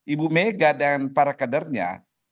ibu mega dan para kadernya